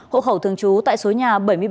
hộ khẩu thường trú tại số nhà bảy mươi bảy